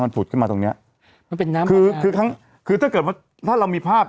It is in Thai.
ผุดขึ้นมาตรงเนี้ยมันเป็นน้ำคือคือทั้งคือถ้าเกิดว่าถ้าเรามีภาพ